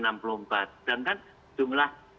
enam puluh empat sedangkan jumlah